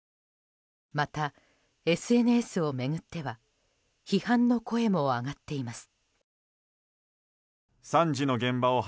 また、ＳＮＳを巡っては批判の声も上がっています。